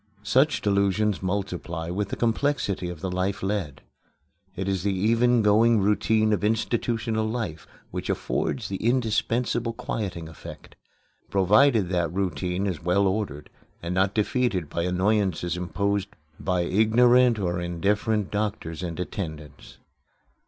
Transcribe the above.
Such delusions multiply with the complexity of the life led. It is the even going routine of institutional life which affords the indispensable quieting effect provided that routine is well ordered, and not defeated by annoyances imposed by ignorant or indifferent doctors and attendants.